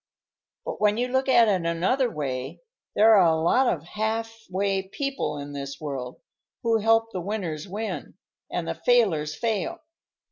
"But when you look at it another way, there are a lot of halfway people in this world who help the winners win, and the failers fail.